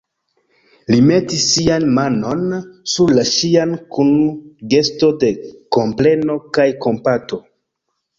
Li metis sian manon sur la ŝian kun gesto de kompreno kaj kompato.